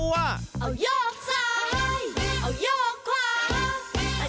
เอ้ายกซ้ายเอ้ายกขวาเน่งหน้าเน่งหลังกระดับกระดับ